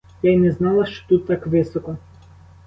Я й не знала, що тут так високо!